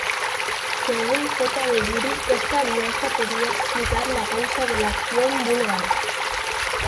Según J. B. Bury, esta alianza podría explicar la causa de la acción búlgara.